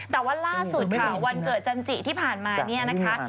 แต่ว่าล่าสูตรข่าววันเกิดที่ผ่านมาเนี้ยนะคะ